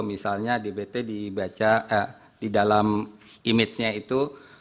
misalnya dbt dibaca di dalam image nya itu